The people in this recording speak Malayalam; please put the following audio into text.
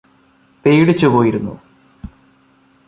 പേടിച്ചുപോയിരുന്നു